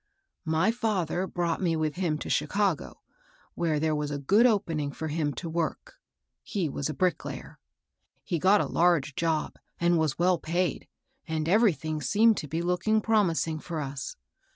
" My father brought me with him to Chicago, where there was a good opening for him to work. He was a bricklayer. He got a large job, and was well paid, and everything seemed to be look ing promising for us.